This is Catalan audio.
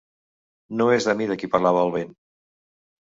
No és de mi de qui parlava el vent.